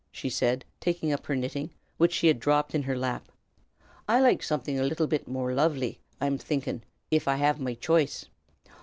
she said, taking up her knitting, which she had dropped in her lap. "I'd loike somethin' a bit more loively, I'm thinkin', av I had me ch'ice."